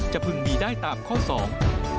พึงมีได้ตามข้อสอง